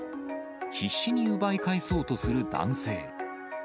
必死に奪い返そうとする男性。